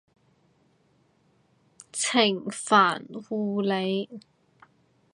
程繫護理